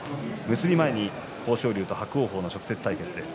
結び前に豊昇龍と伯桜鵬が直接対決をします。